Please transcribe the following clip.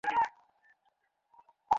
পিট, কী করেছ এটা?